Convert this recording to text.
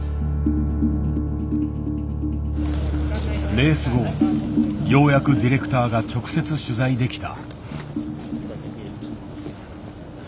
レース後ようやくディレクターが直接取材できた。